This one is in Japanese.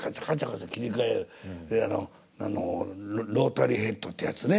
であのロータリーヘッドってやつね